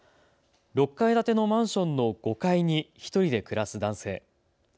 ６階建てのマンションの５階に１人で暮らす男性。